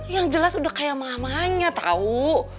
yang jelas udah kayak mamanya tahu